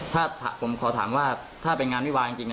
ถ้าผมขอถามว่าถ้าเป็นงานวิวาจริง